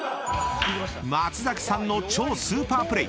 ［松崎さんの超スーパープレー！］